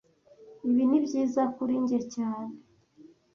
Ibi ni byiza kuri njye cyane